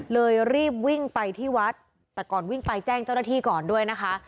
รีบวิ่งไปที่วัดแต่ก่อนวิ่งไปแจ้งเจ้าหน้าที่ก่อนด้วยนะคะ